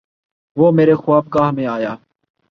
وہ میرے خواب گاہ میں آیا